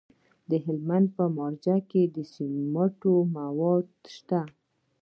د هلمند په مارجه کې د سمنټو مواد شته.